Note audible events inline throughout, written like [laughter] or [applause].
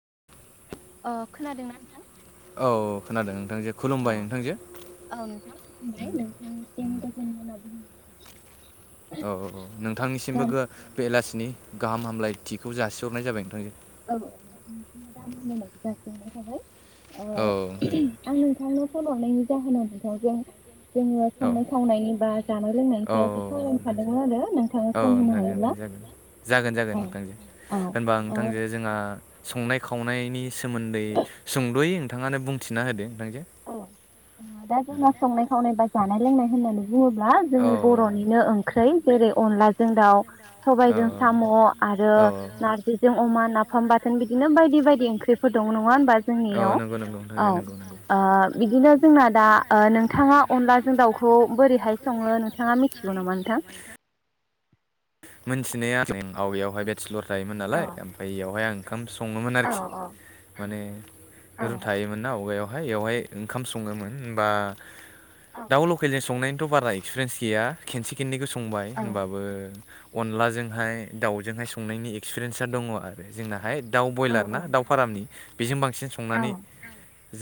[inaudible] अ खोनादों ना औ खोनादों नोंथांजो खुलुमबाय नोंथांजो औ नोंथां खबाय उम नोंथांनिसिम गोजोन होनना ब औ नोंथांनिसिमबो गाहाम बेलासिनि गाहाम हामलायथिखौ जासिहरनाय जाबाय नोंथांजों औ औ नों दामा मोननायखौ जासिनाय थाबाय आं नोंथांनो फन हरनायनि जाहोनाव नोंथांजों जोङो संनाय खावनायनि बा नोंथांजो जानाय औ संनाय लोंनायनि सायाव एसे सावरायनो खावनायनि थादोंमोन आरो बा नोंथाङा औ नोंथांजो औ सम होनो नोंथांजो हायोब्ला जागोन जागोन नोंथांजो औ होनबा नोंथांजों जोंहा संनाय खावनायनि सोमोन्दै सुंद'यै नोंथाङानो बुंथिना होदों औ दा जोंना संनाय खावनाय बा जानाय लोंनाय होननानै बुङोब्ला जोंनि बर'निनो औ ओंख्र्रि जेरै अनलाजों दाउ सबायाइजों साम' आरो नारजिजों अमा नाफाम बाथोन बिदिनो बायदि बायदि ओंख्रिफोर। दं नङा होनोमबा होनबा जोंनियाव नंगौ नंगौ नोंथां जे नंगौ नंगौ औ। बिदिनो जोंना दा नोंथाङा अनलाजों दाउखौ बोरैहाय सङो नोंथाङा मिथिगौ नामा नोंथां? खनोबाय। [inaudible] मोनथिनाया आवगयावहाय बेचलर थायोमोन औ नालाय ओमफ्राय बेयावहाय आं ओंखाम सङोमोन आरोखि औ माने औ रुम थायोमोन ना अबगायाव हाय एवहाय ओंखाम संङोमोन होमबा दाउ लखेलजों संनाय थ' बारा एक्सपिरियेन्स गैया खेनसे खनैखौ संबाय होनबाबो अनलाजोंहाय दाउजोंहाय संनायनि एक्सपिरियेन्सा दङ आरो जोंनाहाय दाउ ब्रयलार ना औ दाउ फारामनि बेजों बांसिन संनानै नोंथां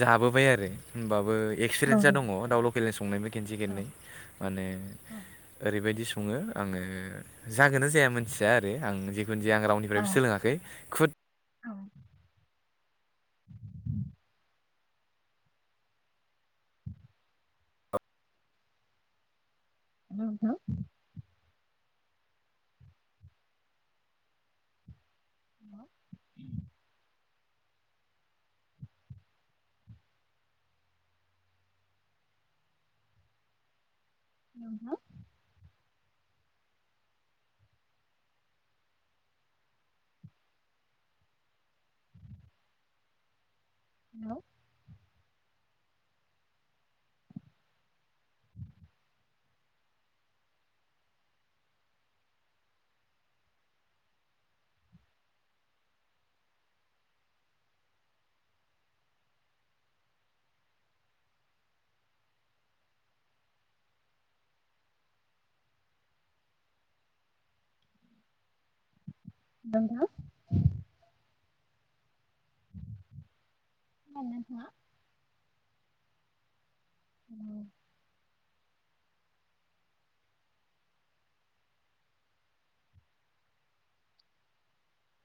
जाबोबाय आरो हब एक्सपिरियेन्स दङ दाउ लकेलनि संनायबो खनसे खनै माने ओरैबायदि स सुङो आङो जागोना जाया मिथिया आरो आं जिुन जे आं रावनिफ्रायबो नोंथां सोलोङाखै खुद हेल' नोंथां। [inaudible] नोंथां। हेलौ। नोंथां। [unintelligible]